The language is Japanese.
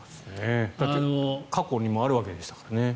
だって過去にもあるわけでしたからね。